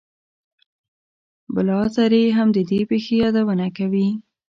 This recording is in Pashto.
بلاذري هم د دې پېښې یادونه کوي.